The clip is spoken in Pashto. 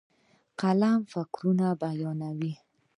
قلم فکرونه بیانوي.